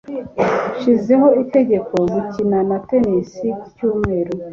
Nshizeho itegeko gukina na tennis Ku cyumweru.